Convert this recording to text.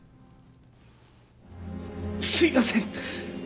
すみません！